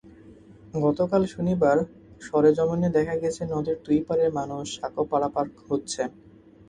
গতকাল শনিবার সরেজমিনে দেখা গেছে, নদের দুই পারের মানুষ সাঁকো পারাপার হচ্ছে।